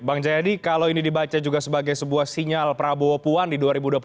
bang jayadi kalau ini dibaca juga sebagai sebuah sinyal prabowo puan di dua ribu dua puluh empat